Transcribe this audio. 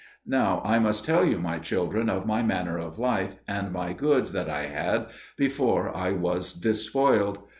Now I must tell you, my children, of my manner of life, and my goods that I had, before I was despoiled.